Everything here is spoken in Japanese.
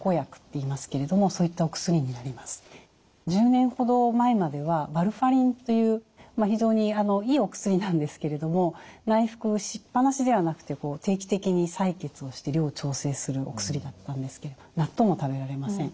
１０年ほど前まではワルファリンという非常にいいお薬なんですけれども内服しっぱなしではなくて定期的に採血をして量を調整するお薬だったんですけれど納豆も食べられません。